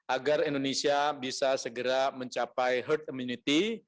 agar indonesia bisa segera berkembang ke dunia